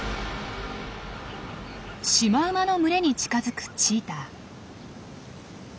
シマウマの群れに近づくチーター。